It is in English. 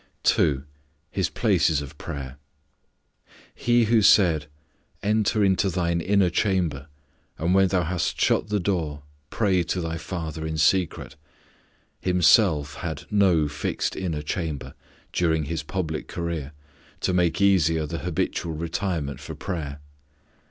2. His places of prayer: He who said, "Enter into thine inner chamber and when thou hast shut the door, pray to thy Father in secret," Himself had no fixed inner chamber, during His public career, to make easier the habitual retirement for prayer.